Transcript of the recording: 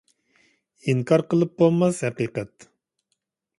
ئىنكار قىلىپ بولماس ھەقىقەت!